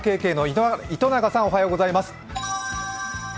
ＲＫＫの糸永さん、おはようございます。